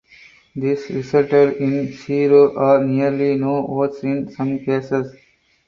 This resulted in zero or nearly no votes in some cases.